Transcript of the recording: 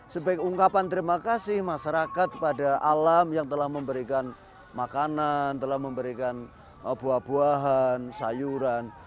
sebaik ungkapan terima kasih masyarakat pada alam yang telah memberikan makanan telah memberikan buah buahan sayuran